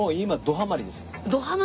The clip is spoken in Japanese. どハマりです。